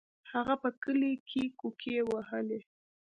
هغه په کلي کې کوکې وهلې.